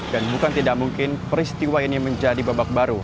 dan bukan tidak mungkin peristiwa ini menjadi babak baru